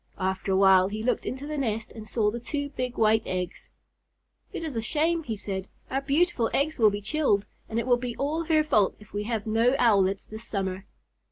After a while he looked into the nest and saw the two big white eggs. "It is a shame," he said. "Our beautiful eggs will be chilled, and it will be all her fault if we have no Owlets this summer."